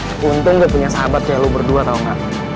eh untung gue punya sahabat kayak lo berdua tau gak